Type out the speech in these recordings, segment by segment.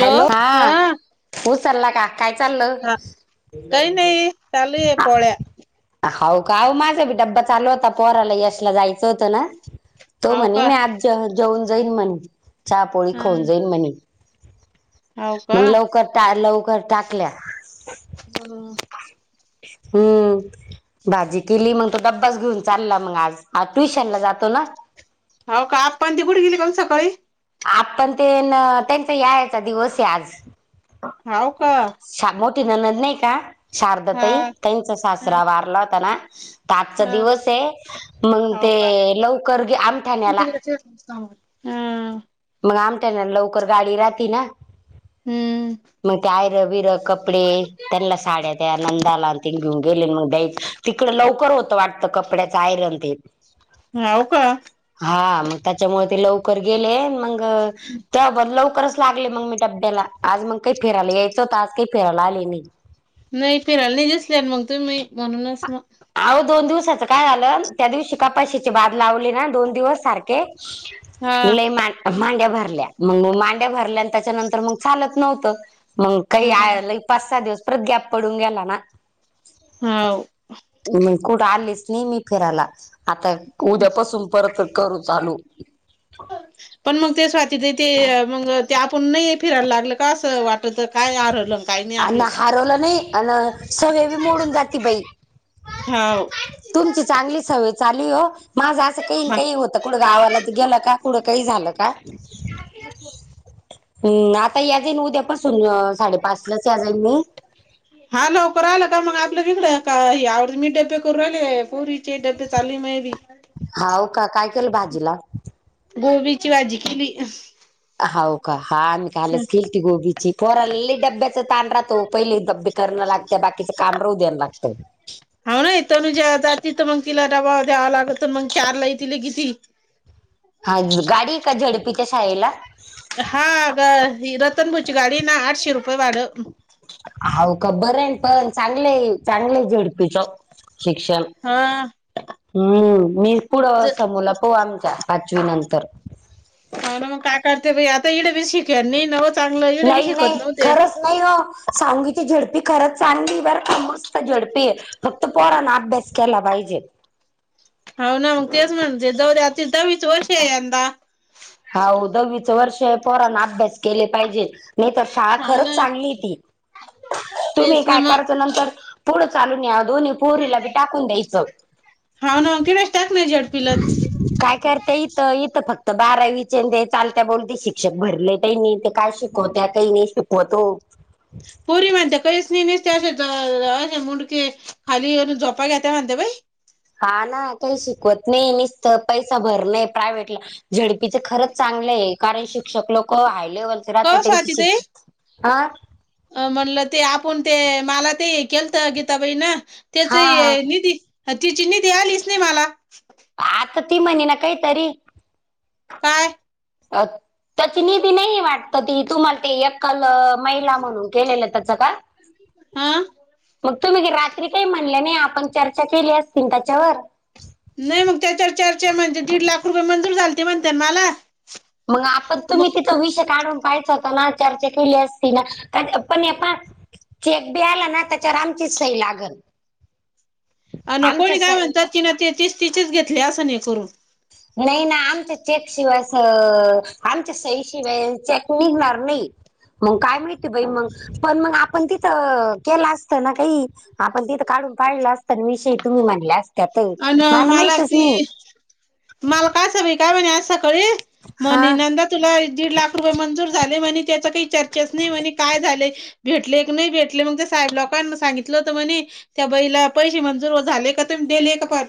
Hello हा कूस ल्ला का? काय चाललं हा काही नाही चालू आहे पोळ्या हऊ का माझा बी डबबा चालू होता पोहराला यशला जायचं होतं ना तो हाव म्हणे का मी आ जेऊन जाईल म्हणे चहा पोळी खाऊन हं जाईन म्हणे. हाव का मग लवकर लवकर टाकल्या हम हम्म भाजी केली मग तोता ास घेऊन चालला मग आजज ट्युशन ला जातो ना. हो का आप पण ती कुठं गेली ग सकाळी. आताण ते न त्यांचा यायचा दिवस आहे आज हाव का मोठी ननद नाही का शारद हा तई तचा हा सासरा वारला होताना आजचा हा दिवस आहे मग हाव ते का लवकर आमठाण्याला [unintelligible] हा मग आमट्याना लवकर गाडी राहती ना हम्म मग ते आयर बिर कपडे त्यांना साड्या द्या नंदाला तेन घेऊन गेले मग द्यायच. तिकडं लवकर होतं वाटतं कपड्याच आयरन ते ह हो का हा मग त्याच्यामुळे ते लवकर गेले मग त्या लवकरच लागले मग मी डब्याला आज मग काही फिरायला यायचंतं आज काही फिरायला आले नाही नाही फिरायला नाही दिसल्या मग तुम्ही म्हणूनच मग अहो दोन दिवसाचं काय झालं त्या दिवशी कापाशीची बाद लावली ना दोन दिवस सारखे हा लय म मांड्या भरल्या मग मांड्या भरल्या आणि त्याच्यानंतर मग चालत नव्हतं मग हा काही पाच सहा दिवस परत गॅप पडून गेला ना होा म कुठं आलेच नेह ममी फिरायला आता उद्यापसून परत करू चालू पण मग ते स्वाती दीदी मग ते आपण नाही फिरायला लागलं का असं वाट आपलं तर काय आरलं काही नाही अन आपलं हरवलं नाही अन सवय बी मोडून जाती बाई. होा तुमची चांगली सवय चालू हो माझं असं काही हा काही होत. आता कुठं गावालाच गेलं का कुठं काही झालं का? [inaudible] हम्म आता या जाईन उद्यापासून साडेपाच लाच या जाईन मी हा लवकर आला का मग आपलं इकडे का आरमीट [unintelligible] करू राहिले पुरीचे [unintelligible] चालले मी हाव का काय केलं भाजीला गोबीची भाजी केिली हो का हा आ्ही कालच गोबीची फोरली डब्याच ताण रातो पहिले डबे करणं लागते बाकीचं कामरवू द्याण लागतं हा ना इथनु ज जात तिथ मग तिला डबावा द्यावा लागत मग चारला तिला किती हा गाडी का झडपीच्या शाळेला हा ग रतनभुची गाडी ना आठशे रुपये वाढ अव का बर आहे पण चांगले चांगले झडपीचं शिक्षण हा हम्म मी पुढं ज अस मुला पो आमच्या पाचवी नंतर हो ना मग काय करते आता इडे बी शिके नाही नव चांगलं इडे बी नाही नाही शिकत नव्ह ते खरंच नाही सांगीची झडपी खरच चांली बर का मस्त झडपी फक्त पोरा ना अभ्यास केला पाहिजे होा ना मग तेच म्हणते दवऱ्या दवीच वर्ष आहे यंदा ह दहावीचं वर्ष पोरान अभ्यास केले पाहिजेत नाही तर शाळा हो खरंच ना चांगली ती तुम्ही तेच ना काय मग करायच नंतर पुढं चालून या दोन्ही पोरीला बी टाकून द्यायचं हा ना कि टाक नाही जड काय करताय इथं फक्त बारावीचे ते चालत्या बोलते शिक्षक भरले का नाही ते काय शिकवत्या काही नाही शिक वतो पोरी म्हनते कस नाही नेसते अस असे मुंके खाली झोपा घेत म्हणते बा हा ना काही शिकवत नाही मसत पैसा भर नाही प्रायव्हेटला झेडपीचे खरंच चांगले आहे कारण शिक्षक लोक हाय लेव्हल कवा त्यांच शिक्षण हा अ म्हणलं ते आपण ते मला ते हे केलंत गीताबाई ना त्याच हा हा निधी ह ती चिनी द आलीच नाही मला आता ती म्हणी ना काहीतरी काय अ त्याची निधी नाही वाटत ती तुम्हाला ते एकाल महिला म्हणून केलेलं त्याच का हा मग तुम्ही रात्री काही म्हणले नाही आपण चर्चा केली असतील त्याच्यावर नाही मग त्याच्यावर चर्चा म्हणजे दीड लाख रुपये मंजूर झाले ते म्हणते मला मग आपण तुम्ही मग तिथं विषय काढून पायच होता ना चर्चा केली असती ना कारण पण पण क बी आला ना त्याच्या रामचीच सई लागल अ न आमच्या कोणी काय सही म्हणतात कि ना ते तेच तिचेच घेतले असं नाही करून नाही ना आमच्या चेकशिवाय असं आमच्या सहीशिवाय चेक निघणार नाही मग काय मिळते बाई मग पण मग आपण तिथं केलं असतं ना काही आपण तिथं काढून पाळलं असत विषयी तुम्ही म्हणले असतत मला माहितच नाही. मालका सवी काय म्हणे सकाळी हा मनीनंद तुला दीड लाख रुपये मंजूर झाले म्हणे त्याच काही चर्चेच नाही म्हणे काय झाले. भेटले एक नाही भेटले मग त्या साहेब लोकांना सांगितलं होतं म्हणे त्या बईला पैसे मंजूर झाले का तुम्ही दिले का पण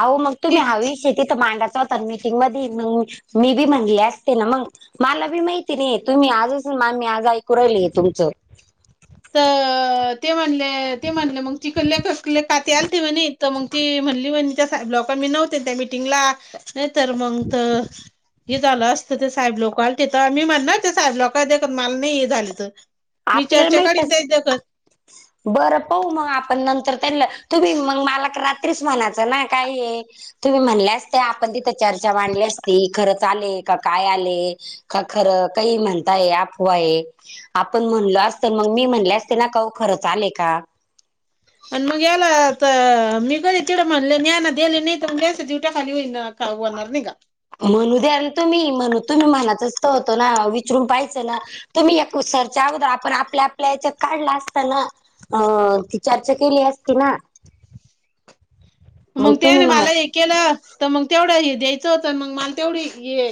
आहो‌ मग तुम्ही ती हा विषय तिथ मांडायच होता मीटिंग मध्ये म मी बी म्हणले असते ना मग मला बी माहिती नाहीे तुम्ही आज असेल मी आज ऐकू राहिल तुमचं. तर ते म्हणले ते म्हणले मग चिखलले ककले कात आल ते म्हणे तर मग ती म्हणली म्हण त्या ब्लॉकर मी नव्हते त्या मिीटिंगला नाही तर मंग तर हे झालं असत ते साहेब लोकला तथं मी म्हणणार ते साहेब लोक दे मला नाही झालं तर मी च्या आपल्याला माहितच जात बरं पाऊ मग आपण नंतर त्या तुम्ही मग मला रात्रीस म्हणायचं ना काय आहे. तुम्ही म्हणल्या असते आपण तिथे चर्चा मांडली असती खरंच आले का काय आले. का खरं काही म्हणताय आपवाय आहे. आपण म्हणलो असत मग मी म्हणले असते ना काह खरंच आले का? आणि मग याला तर मी कधी तिकडं म्हणले न ना दिले नाही तर मगच [unintelligible] बोलनार नाही का? म्हणूद्या तुम्ही म्हणू तुम्ही मनातचत होतो ना विचरून पाहियचं ना. तुम्ही या कुसरच्या अगोदर आपण आपल्या आपल्या याच्यात काढला असताना. अ ती चर्चा केली असती ना मग तुम्ही त्याने म्हणा मला हे केलं तर मग तेवढं हे द्यायचं होत मग मला तेवढी हे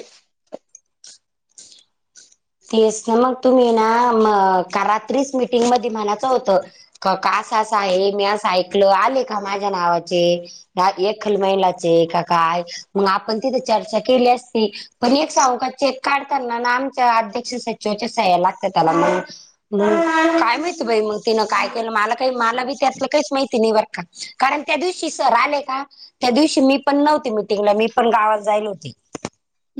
तेच ना मग तुम्ही ना का रात्रीच मिटिंगमध्ये म्हणायचं होतं. का का असं असा आहे मी असं ऐकल आले का माझ्या नावाचे ह एकखल महिलाचे का काय मग आपण तिथे चर्चा केली असती. पण एक सांगू का चेक काढताना ना आमच्या अध्यक्ष सचिवाच्या सह्य लागतात त्याला मग काय माहिती बाई मग तिनं काय केलं मला काही मला बी त्यातल काहीच माहिती नाही बर का कारण त्या दिवशी सर आले ना त्या दिवशी मी पण नव्हते मिटिंगला मी पण गावात जायल होते.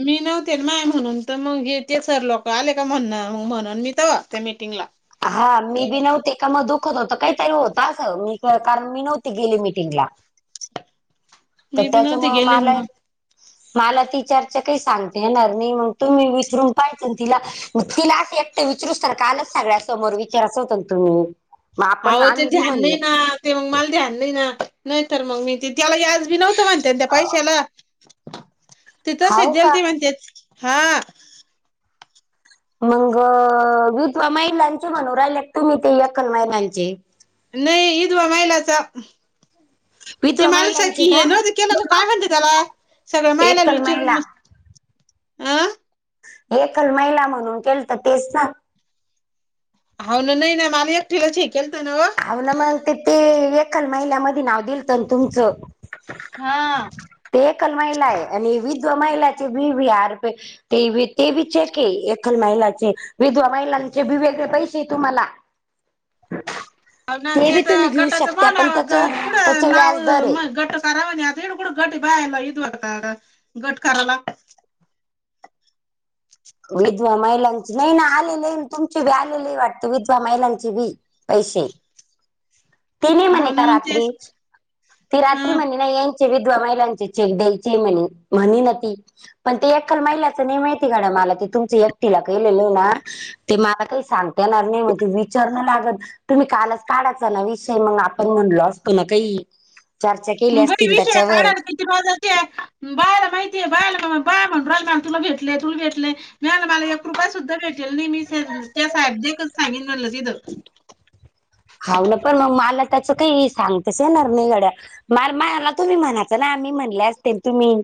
मी नव्हते नाय म्हणून तर मग येते सर लोक आले का म्हण म्हणून मी तव्हा त्या मीटिंगला. हा मी बी नव्हते. दुखत होत काहीतरी होत असं मी कारण मी नव्हती गेली मीटिंगला तर मी बी नव्हते त्याच्यामुळ गेले मला ना मग मला ती चर्चा काही सांगते येणार नाही मग तुम्ही विचरून पाहिच ना तिला ग तिला असं एकटं विचारूत कालच सगळ्या समोर विचाराच होतं ना तुम्ही मग हा आपण ते आम्ही बी ध्यान नाही म्हणलं ना ते मग मला द्या आणली ना नाहीतर मग मी ते त्याला याज बी नव्हतं म्हणते त्या पैशाला. हाव तिथंचदल का? त म्हणतेच हा मग विधवा महिलांचे म्हणून राहिल्या तुम्ही ते यखल महिलांचे नाही विधवा महिलाचा ते विधवा मालास महिलांचे की हे का? नत केलं ग काय म्हणते त्याला सगळं मायलाला एकल विचारून महिला मग [unintelligible] आं एकल महिला म्हणून केलत तेच ना हो ना नाही ना मला एक ठेवा केलत ना ह ना मग ते ते एखाल महिलामध्ये नाव दिलत ना तुमचं. हा ते एकल महिला आहे आणि विधवा महिलाची बी बहार प ते ते विचे क एकखल महिलाचे विधवा महिलांचे वेगळे पैसे तुम्हाला अ ना ते बी तेत तुम्ही घेऊ गटत मा शकता ना पण त्याच कुड त्याच नाव व्याज दर आहे. म गट खार तिकडं कूट बायांना विधवा कार्ड गट कार्य लागल्यात विेधवा महिलांची नाही ना आलेली आहे तुमची भी आले नाही आहे वाटत विधवा महिलांची बी पैसे ते नाही म्हणे हो ना का मग रात्री तेच ती रात्री हं म्हणे नाही यायचे विधवा महिलांचे चेक द्यायचे म्हणे म्हणे ना ती पण ते एखाल महिलाच नाहीे माहिती काड मला ते तुमच्या एकटीला केलेलं ना ते मला काही सांगता येणार नाही म्हणज विचारणं लागत तुम्ही कालच काढायचा ना विषय मग आपण म्हणलो असतो ना काही चर्चा केली असतील त्याच्यावर माा ते बायला माहितीये बायला म बाय म्हण राहि म तुला भेटलेय तुला भेटले [unintelligible] मिळालं मला एक रुपया सुद्धा भेटेल नाही मी त्या साहेब देच सांगन म्हल तिथं हवलं पण मग मला त्याचं काही सांगताच येणार नाही गड्या म मला तुम्ही म्हणायचं ना आम्ही म्हणले असतील तुम्ही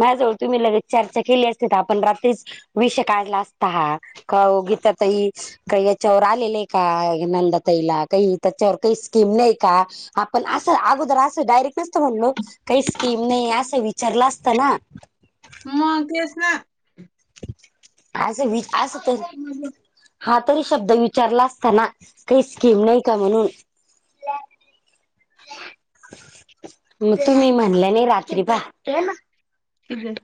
माझ्याजवळ तुम्ही लगेच चर्चा केली असते तर आपण रात्रीच विषय काढला असता हा का हो गीता ताई काय यांच्यावर आलेले का नंदाताईला काही त्याच्यावर काही स्कीम नाही का आपण असं अगोदर अस डायरेक्ट नसत म्हणलो काही स्कीम नाही असं विचारलं असत ना म तेच ना असं मी अस करू हा तरी शब्द विचारला असताना काही स्कीम नाही का म्हणून म तुम्ही म्हणलं नाही रात्री पहा हअ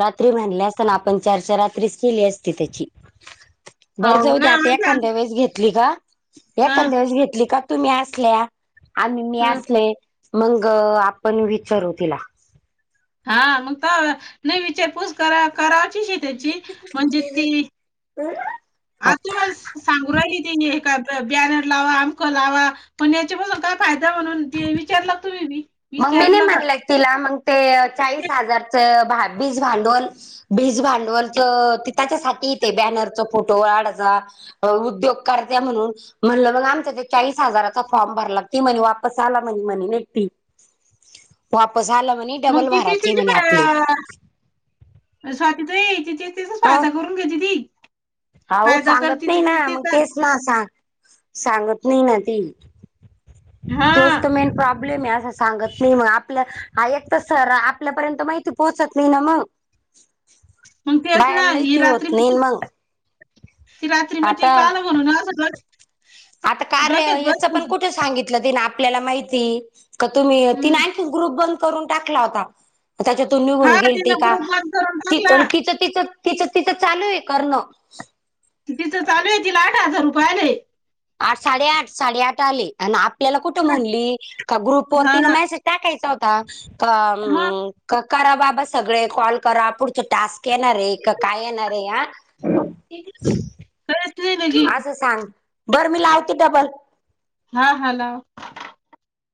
रात्री म्हनले असताना आपण चारच्या रात्रीच केली असती त्याची बर हो जाऊ ना द्या आता एखाद्या वेळेस घेत ती का हां, एखंद्या वेळीस घेतली का तुम्ही असल्या आम्ही मी हं. असले मग आपण विचारू तिला हा मग त नाही विचारपूस करा कराची त्याची म्हणजे ती आ तुम्हाला सांगू राहिली त्यांनि ए काय बॅनर लावा अमक लावा पण याच्या पासून काय फायदा म्हणून ते बी विचारलात तुम्ही बी मग मी नाही विचारलं का? म्हणलं तिला मग ते ते चाळीस हजारच भा बीज भांडवल बीज भांडवल डवलच त्याच्यासाठीेते बॅनरच फोटो अड जा अ उद्योगकर्त्या म्हणून म्हणलं मग आमच्या इथ चाळीस हजाराचा फॉर्म भरलाग ती म्हणे वापस आला म्हणे म्हणे न ती वापस आलं म्हणे मग डबल किती भराचे म्हणे आपले. कती स्वाती ताई ति तेच्या तेच अ फायदा करून घेत्याती अहो सांगत नाही ना मग ते सां सांगत नाही ना ती तोच हां, तर मेन प्रॉब्लेम भले मी अस सांगत नाही आपल्या आहेत त सर आपल्यापर्यंत माहिती ती पोहचत नाही ना म मग ते ना ही रात्री बी नाही चू मग ती रात्री आता मीटिंगला आलं म्हणून आस कळल आता कार्य याचं पण कुठे सांगितलं तीन आपल्याला माहिती का तुम्ही ती हं. आणखीन ग्रुप बंद करून टाकला होता त्याच्यातून निघून हां, गेलती तिनं का ग्रुप बंद करून ति टाकला. तिचं तिच तिच तिचं चालू आहे करणं तिथं चालू आहे तिला आठ हजार रुपये आले आठ साडेआठ साडेआठ आले आणि आपल्याला कुठं म्हणली का ग्रुप हा वरती ना मॅसेज टाकायचा मग होता करा बाबा सगळे कॉल करा पुढ टास्क येणारे का काय येणारे या. [unintelligible] नाही लगी असं सांग बरं मी लावते डबल. हा हा लाव.